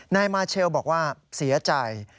นายมาเชลบอกว่าเสียใจ